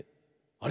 あれ？